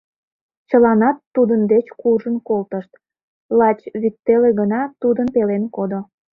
Чыланат тудын деч куржын колтышт, лач вӱтеле гына тудын пелен кодо.